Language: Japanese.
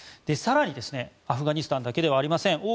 更に、アフガニスタンだけではありません。